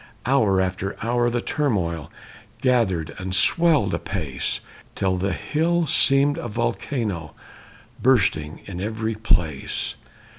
Hour after hour the turmoil Gathered and swelled apace, Till the hill seemed a volcano Bursting in every place.